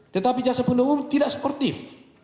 tetapi jakson penuntut umum tidak sepertif